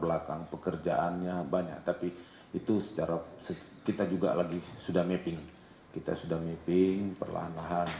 belakang pekerjaannya banyak tapi itu secara kita juga lagi sudah mapping kita sudah mapping perlahan lahan